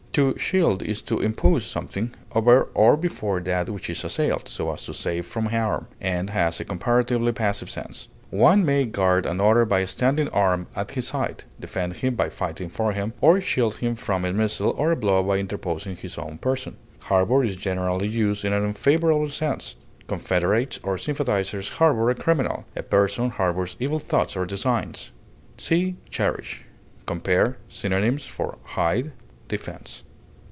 To shield is to interpose something over or before that which is assailed, so as to save from harm, and has a comparatively passive sense; one may guard another by standing armed at his side, defend him by fighting for him, or shield him from a missile or a blow by interposing his own person. Harbor is generally used in an unfavorable sense; confederates or sympathizers harbor a criminal; a person harbors evil thoughts or designs. See CHERISH. Compare synonyms for HIDE; DEFENSE.